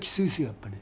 やっぱり。